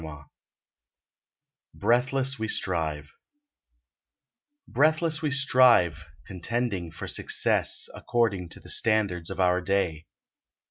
117 "BREATHLESS WE STRIVE" T^REATHLESS wc Strive, contending for success, According to the standards of our day.